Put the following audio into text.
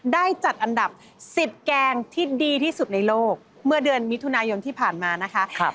ได้จัดอันดับ๑๐แกงที่ดีที่สุดในโลกเมื่อเดือนมิถุนายนที่ผ่านมานะคะ